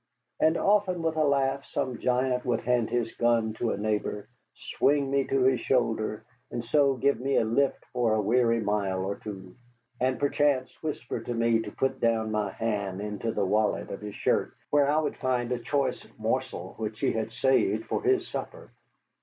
And often with a laugh some giant would hand his gun to a neighbor, swing me to his shoulder, and so give me a lift for a weary mile or two; and perchance whisper to me to put down my hand into the wallet of his shirt, where I would find a choice morsel which he had saved for his supper.